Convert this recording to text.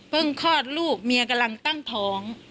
คลอดลูกเมียกำลังตั้งท้อง